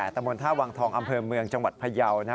ตมธาวังทองอำเภอเมืองจังหวัดพยาวิทยาลัย